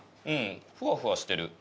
ふわふわしてる。